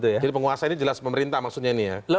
jadi penguasa ini jelas pemerintah maksudnya ini ya